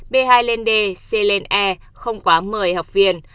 b hai lên d c lên e không quá một mươi học viên